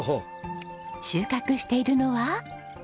収穫しているのは？